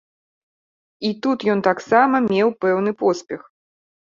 І тут ён таксама меў пэўны поспех.